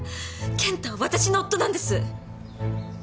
健太は私の夫なんです。